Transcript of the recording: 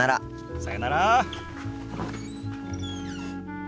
さよなら。